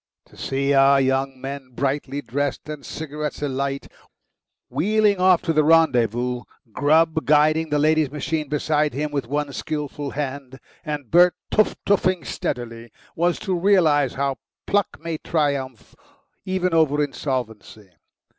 To see our young men, brightly dressed and cigarettes alight, wheeling off to the rendezvous, Grubb guiding the lady's machine beside him with one skilful hand and Bert teuf teuffing steadily, was to realise how pluck may triumph even over insolvency.